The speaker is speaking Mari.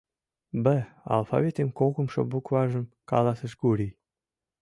— Б! — алфавитым кокымшо букважым каласыш Гурий.